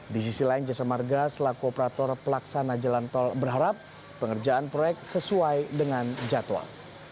di sisi lain jasa marga selaku operator pelaksana jalan tol berharap pengerjaan proyek sesuai dengan jadwal